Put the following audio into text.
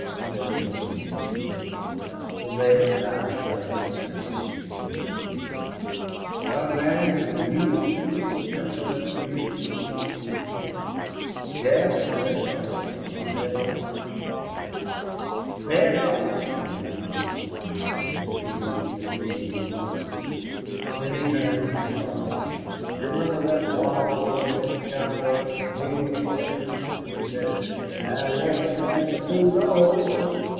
Warburton became composed. The red died out of his face. He looked at Neale. "Young man, can YOU put permanent piers in that sink hole?" "Yes. They are started, on bed rock," replied Neale. "Bed rock!" he repeated, and remained gazing at Neale fixedly. Then he turned to Lodge. "Do you remember that wild red head cowboy Neale's friend when he said, 'I reckon thet's aboot all?